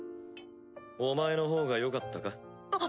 お前のほうがよかったか？